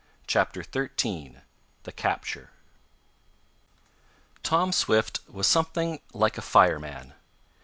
CHAPTER XIII THE CAPTURE Tom Swift was something like a fireman.